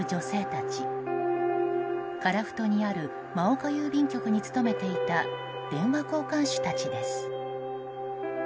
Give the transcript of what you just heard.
樺太にある真岡郵便局に勤めていた電話交換手たちです。